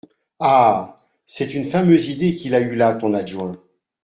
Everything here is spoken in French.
Ah !… c’est une fameuse idée qu’il a eue là, ton adjoint !…